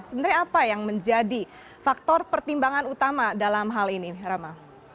sebenarnya apa yang menjadi faktor pertimbangan utama dalam hal ini rama